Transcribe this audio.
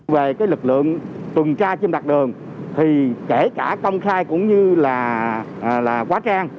về cái lực lượng tuần tra trên mặt đường thì kể cả công khai cũng như là quá trang